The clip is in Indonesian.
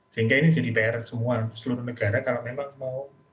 sehingga ini jadi pr semua seluruh negara kalau memang mau